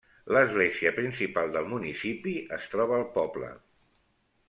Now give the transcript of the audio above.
L'església principal del municipi es troba al poble.